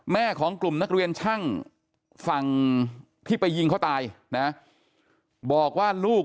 ของกลุ่มนักเรียนช่างฝั่งที่ไปยิงเขาตายนะบอกว่าลูก